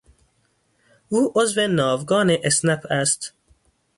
او عضو ناوگان اسنپ است.